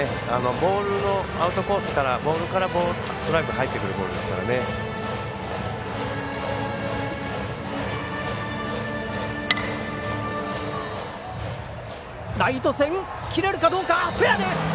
ボールのアウトコースからボールからストライクが入ってくるボールですからね。